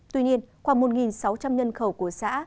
tuy nhiên khoảng một sáu trăm linh nhân khẩu của xã